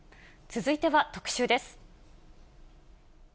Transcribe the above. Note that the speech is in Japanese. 続いては特集です。